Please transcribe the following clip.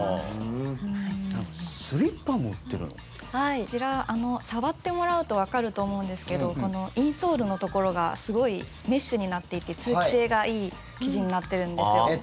こちら、触ってもらうとわかると思うんですけどインソールのところがすごいメッシュになっていて通気性がいい生地になっているんですよ。